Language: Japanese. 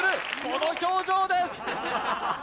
この表情です